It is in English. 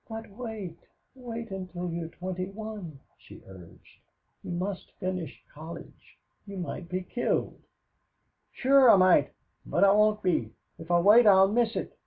"But wait wait until you're twenty one," she urged. "You must finish college. You might be killed." "Sure, I might but I won't be. If I wait I'll miss it.